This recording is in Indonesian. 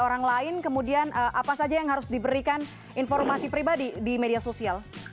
orang lain kemudian apa saja yang harus diberikan informasi pribadi di media sosial